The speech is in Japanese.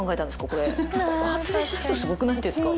ここ発明した人すごくないですか？